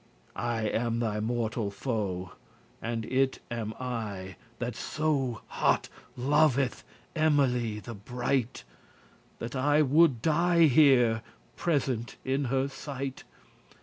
I am thy mortal foe, and it am I That so hot loveth Emily the bright, That I would die here present in her sight.